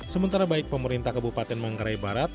sementara baik pemerintah kabupaten manggarai barat